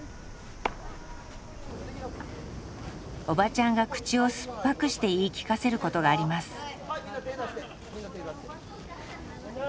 おばちゃんが口を酸っぱくして言い聞かせることがあります。